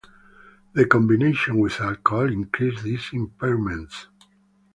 The combination with alcohol increases these impairments.